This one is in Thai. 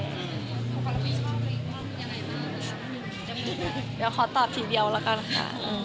เดี๋ยวขอตอบทีเดียวละกันค่ะ